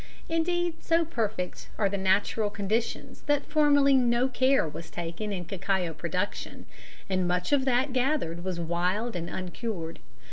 Indeed so perfect are the natural conditions that formerly no care was taken in cacao production, and much of that gathered was wild and uncured.